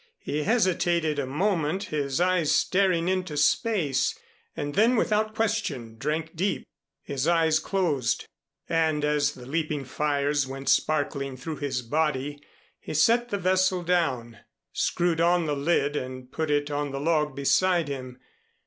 He hesitated a moment, his eyes staring into space and then without question, drank deep, his eyes closed. And as the leaping fires went sparkling through his body, he set the vessel down, screwed on the lid and put it on the log beside him.